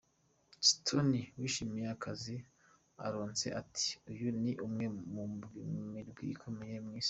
Stoney yishimiye akazi aronse ati, "Uyu ni umwe mu mirwi ikomeye mw'isi".